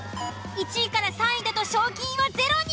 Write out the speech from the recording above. １位３位だと賞金はゼロに。